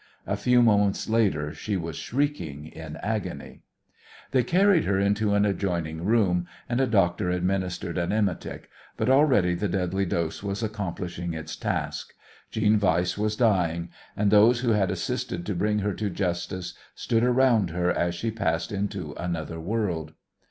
A few moments later she was shrieking in agony. They carried her into an adjoining room, and a doctor administered an emetic, but already the deadly dose was accomplishing its task. Jeanne Weiss was dying, and those who had assisted to bring her to justice stood around her as she passed into another world.